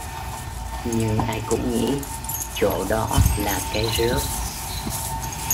Nhưng ai cũng nghĩ chỗ đó là cái rớp